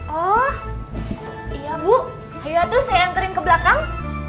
oh iya bu ayo atur saya anterin ke belakang